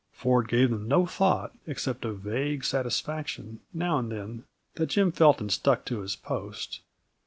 Ford gave them no thought, except a vague satisfaction, now and then, that Jim Felton stuck to his post.